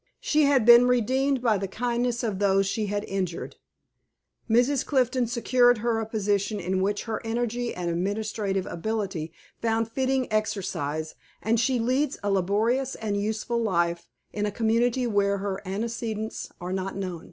She had been redeemed by the kindness of those she had injured. Mrs. Clifton secured her a position in which her energy and administrative ability found fitting exercise, and she leads a laborious and useful life, in a community where her antecedents are not known.